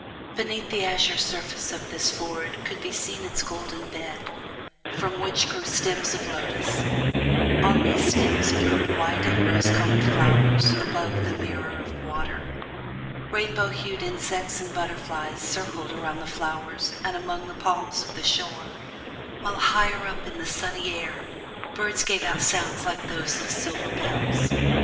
Beneath the azure surface of this ford could be seen its golden bed, from which grew stems of lotus; on those stems bloomed white and rose colored flowers above the mirror of water. Rainbow hued insects and butterflies circled around the flowers and among the palms of the shore, while higher up in the sunny air birds gave out sounds like those of silver bells.